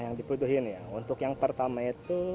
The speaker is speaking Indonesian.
yang dibutuhkan ya untuk yang pertama itu